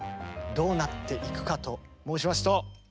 どうなっていくかと申しますとはい。